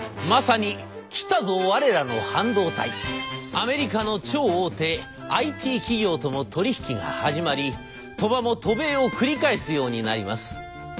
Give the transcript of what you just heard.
アメリカの超大手ＩＴ企業とも取り引きが始まり鳥羽も渡米を繰り返すようになります。